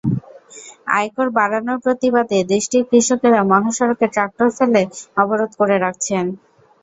আয়কর বাড়ানোর প্রতিবাদে দেশটির কৃষকেরা মহাসড়কে ট্রাক্টর ফেলে অবরোধ করে রাখছেন।